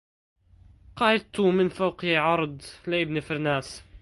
قعدت من فوق عرد لابن فرناس